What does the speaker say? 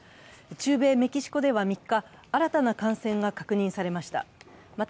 中米メキシコでは３日、新たな感染が確認されました。